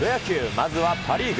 まずはパ・リーグ。